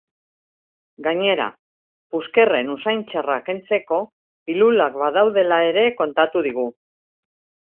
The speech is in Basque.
Gainera, puzkerren usain txarra kentzeko pilulak badaudela ere kontatu digu.